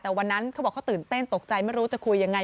แต่วันนั้นเขาบอกเขาตื่นเต้นตกใจไม่รู้จะคุยยังไง